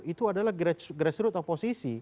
itu adalah grassroots oposisi